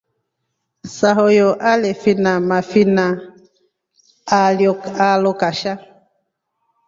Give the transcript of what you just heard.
Sahuyo alefine mafina alo kashaa.